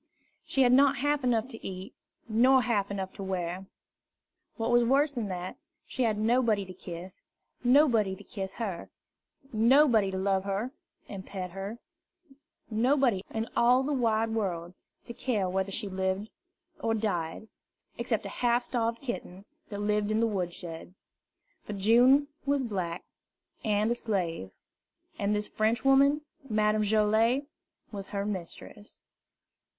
She had not half enough to eat, nor half enough to wear. What was worse than that, she had nobody to kiss, and nobody to kiss her; nobody to love her and pet her; nobody in all the wide world to care whether she lived or died, except a half starved kitten that lived in the wood shed. For June was black, and a slave; and this Frenchwoman, Madame Joilet, was her mistress.